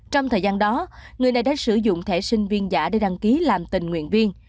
trong thời gian đó người này đã sử dụng thẻ sinh viên giả để đăng ký làm tình nguyện viên